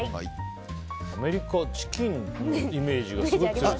アメリカ、チキンのイメージがすごい強いですけど。